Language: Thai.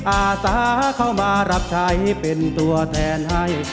อาสาเข้ามารับใช้เป็นตัวแทนให้